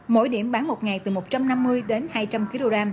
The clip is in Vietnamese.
mỗi điểm bán một ngày từ một trăm năm mươi đến hai trăm linh kg